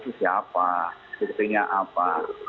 itu siapa sepertinya apa